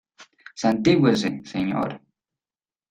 santígüese, señor.